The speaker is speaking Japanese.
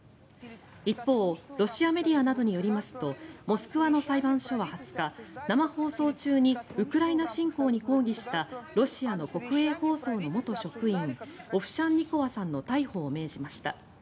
一方、ロシアメディアなどによりますとモスクワの裁判所は２０日生放送中にウクライナ侵攻に抗議したロシアの国営放送の元職員オフシャンニコワさんの逮捕を命じました。